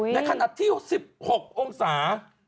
ในขณะที่๑๖องศาสตร์